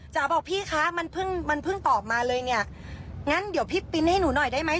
บอกพี่คะมันเพิ่งมันเพิ่งตอบมาเลยเนี่ยงั้นเดี๋ยวพี่ปินให้หนูหน่อยได้ไหม